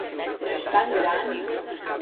No es tan gran!